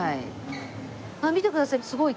あっ見てください。